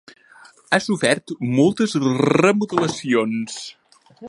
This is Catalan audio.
Ha sofert moltes remodelacions.